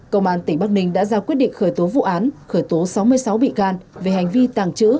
công an tỉnh bắc ninh đã ra quyết định khởi tố vụ án khởi tố sáu mươi sáu bị can về hành vi tàng trữ